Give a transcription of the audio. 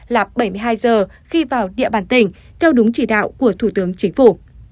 là bảy mươi hai giờ khi vào địa bàn tỉnh theo đúng chỉ đạo của thủ tướng chính phủ